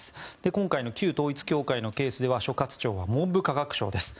今回の旧統一教会のケースでは所轄庁は文部科学省です。